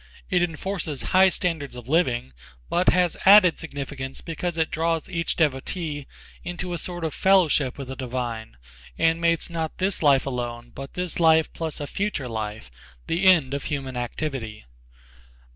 It enforces high standards of living, but has added significance because it draws each devotee into a sort of fellowship with the divine, and mates not this life alone, but this life plus a future life, the end of human activity.